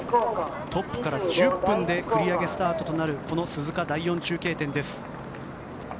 トップから１０分で繰り上げスタートとなる鈴鹿第４中継点です。